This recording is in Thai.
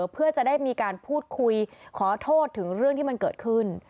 เพื่อจะได้มีการพูดคุยขอโทษถึงเรื่องที่มันเกิดขึ้น